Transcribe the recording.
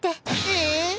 えっ！